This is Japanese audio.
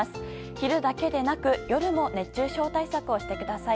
昼だけでなく夜も熱中症対策をしてください。